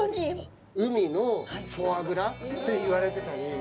海のフォアグラって言われてたり。